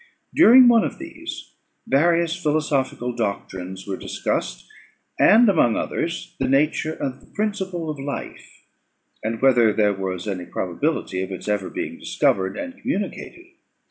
During one of these, various philosophical doctrines were discussed, and among others the nature of the principle of life, and whether there was any probability of its ever being discovered and communicated.